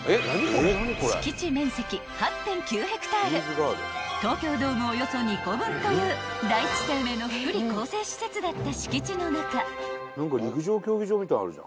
［敷地面積８．９ｈａ東京ドームおよそ２個分という第一生命の福利厚生施設だった敷地の中］